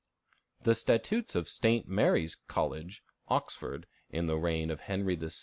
] The statutes of St. Mary's College, Oxford, in the reign of Henry VI.